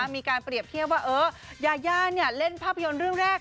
มีการเปรียบเทียบว่ายาย่าเล่นภาพยนตร์เรื่องแรก